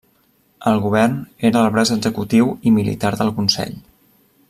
El govern era el braç executiu i militar del Consell.